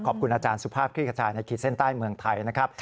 ขอบคุณอาจารย์สุภาพคลี่ขจายในขีดเส้นใต้เมืองไทยนะครับ